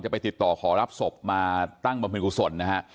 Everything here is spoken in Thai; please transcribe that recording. ไปติดต่อขอรับศพมาตั้งบำเพ็ญกุศลนะฮะ